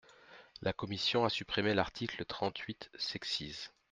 La commission a supprimé l’article trente-huit sexies.